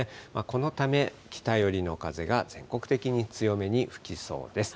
このため北寄りの風が全国的に強めに吹きそうです。